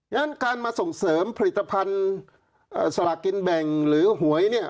งั้นการมาส่งเสริมผลิตภัณฑ์สลากกินแบ่งหรือหวยเนี่ย